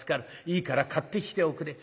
いいから買ってきておくれ」。